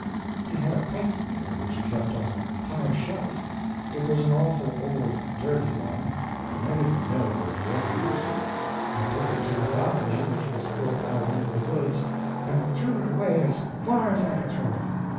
He had a pipe cleaner which he kept on a high shelf. It was an awful old dirty one, and I didn't know that he ever used it. I took it to the balcony which was built out into the woods and threw it away as far as I could throw it.